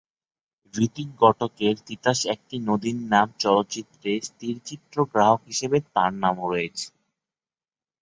ঋতিক ঘটকের তিতাস একটি নদীর নাম চলচ্চিত্রে স্থিরচিত্রগ্রাহক হিসেবে তাঁর নাম রয়েছে।